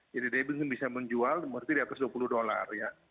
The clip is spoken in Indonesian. jadi dia bisa menjual berarti di atas dua puluh dolar ya